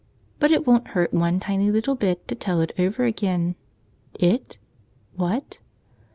But it won't hurt one tiny little bit to tell it over again. It? What?